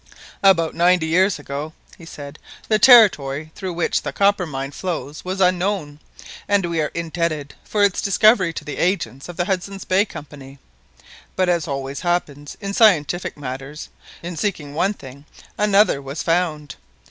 "About ninety years ago," he said, "the territory through which the Coppermine flows was unknown, and we are indebted for its discovery to the agents of the Hudson's Bay Company. But as always happens in scientific matters, in seeking one thing, another was found.